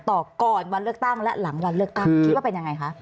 ก่อนวันเลือกตั้งและหลังวันเลือกตั้งคิดว่าเป็นยังไงคะ